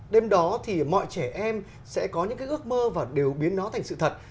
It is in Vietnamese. đêm đó thì mọi trẻ em sẽ có những cái ước mơ và đều biến nó thành sự thật